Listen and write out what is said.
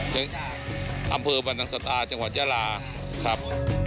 ถึงอำเภอบรรนังสตาจังหวัดยาลาครับ